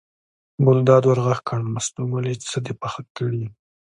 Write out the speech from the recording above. ګلداد ور غږ کړل: مستو ګلې څه دې پاخه کړي.